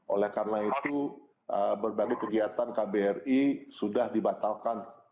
oleh karena itu berbagai kegiatan kbri sudah dibatalkan